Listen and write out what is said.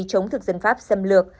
chống thực dân pháp xâm lược